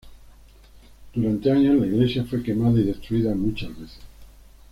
Durante años, la iglesia fue quemada y destruida muchas veces.